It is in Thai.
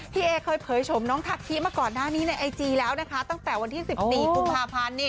เอเคยเผยชมน้องทักทิมาก่อนหน้านี้ในไอจีแล้วนะคะตั้งแต่วันที่๑๔กุมภาพันธ์